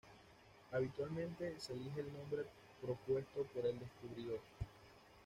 Habitualmente, se elige el nombre propuesto por el descubridor.